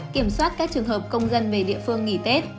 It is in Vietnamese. kiểm soát các trường hợp công dân về địa phương nghỉ tết